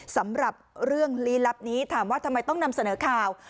สำหรับเรื่องลี้ลับนี้ถามว่าทำไมต้องนำเสนอข่าว